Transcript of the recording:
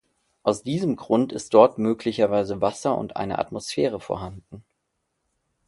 Aus diesem Grund ist dort möglicherweise Wasser und eine Atmosphäre vorhanden.